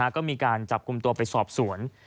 ก็มีการจับกลุ่มตัวไปสอบสวน